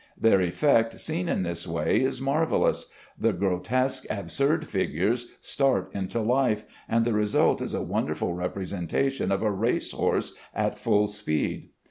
Their effect seen in this way is marvellous. The grotesque, absurd figures start into life, and the result is a wonderful representation of a race horse at full speed.